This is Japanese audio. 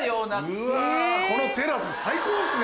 うわこのテラス最高ですね！